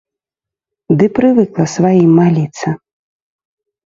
Ды прывыкла сваім маліцца.